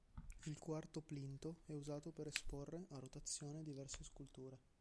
Il quarto plinto è usato per esporre, a rotazione, diverse sculture.